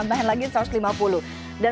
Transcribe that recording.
dengan desa ini eritema berikut